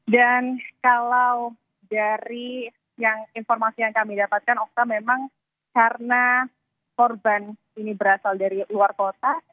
dan kalau dari informasi yang kami dapatkan okta memang karena korban ini berasal dari luar kota